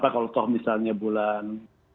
kalau misalnya bulan